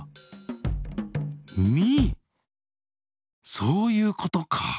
そういうことか！